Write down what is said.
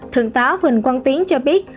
thượng tá huỳnh quang tiến cho biết